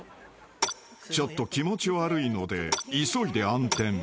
［ちょっと気持ち悪いので急いで暗転］